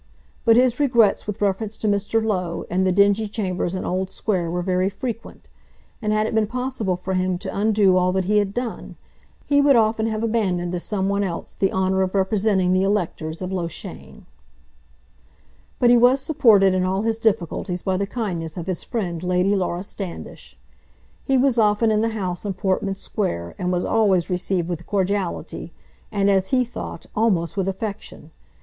But his regrets with reference to Mr. Low and the dingy chambers in Old Square were very frequent; and had it been possible for him to undo all that he had done, he would often have abandoned to some one else the honour of representing the electors of Loughshane. But he was supported in all his difficulties by the kindness of his friend, Lady Laura Standish. He was often in the house in Portman Square, and was always received with cordiality, and, as he thought, almost with affection.